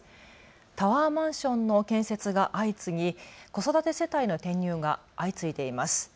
タワーマンションの建設が相次ぎ子育て世帯の転入が相次いでいます。